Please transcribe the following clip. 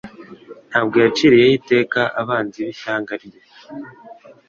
ntabwo yaciriyeho iteka abanzi b'ishyanga rye.